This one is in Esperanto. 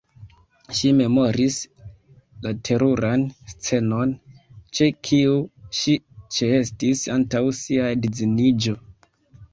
Ŝi memoris la teruran scenon, ĉe kiu ŝi ĉeestis antaŭ sia edziniĝo.